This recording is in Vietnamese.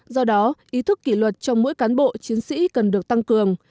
do đó ý thức kỷ luật trong mỗi cán bộ chiến sĩ cần được tăng cường